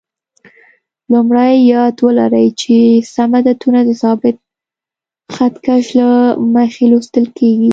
لومړی: یاد ولرئ چې سم عددونه د ثابت خط کش له مخې لوستل کېږي.